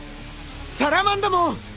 サラマンダモン！